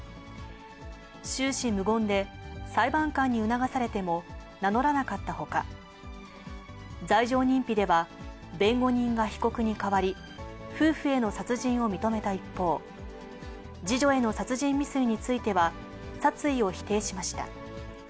終始無言で裁判官に促されても名乗らなかったほか、罪状認否では弁護人が被告に代わり、夫婦への殺人を認めた一方、次女への殺人未遂については、殺意を否定しました。